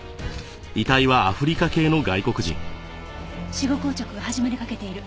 死後硬直が始まりかけている。